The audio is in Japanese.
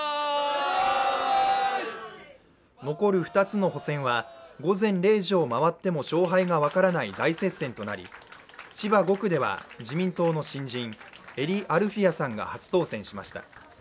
残る２つの補選は午前０時を回っても勝敗の分からない大接戦となり千葉５区では自民党の新人英利アルフィヤさんが初当選しました。